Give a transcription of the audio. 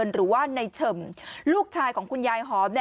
หรือว่าในเฉิมลูกชายของคุณยายหอม